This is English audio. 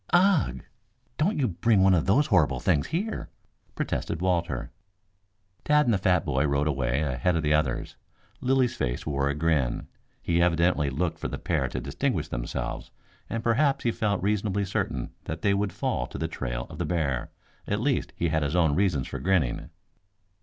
"Ugh! Don't you bring one of those horrible things here," protested Walter. Tad and the fat boy rode away ahead of the others. Lilly's face wore a grin. He evidently looked for the pair to distinguish themselves, and perhaps he felt reasonably certain that they would fall to the trail of the bear. At least, he had his own reasons for grinning.